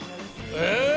え！